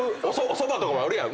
そばとかもあるやん。